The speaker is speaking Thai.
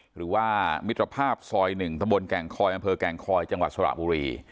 หรือว่ามิตรภาพซอย๑ตะบนแก่งคอยอำเภอแก่งคอยจังหวัดสระบุรี